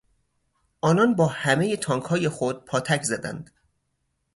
آنان با همهی تانکهای خود پاتک زدند.